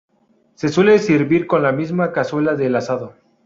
Se suele servir con la misma cazuela del asado.